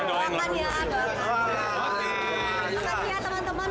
doakan ya doakan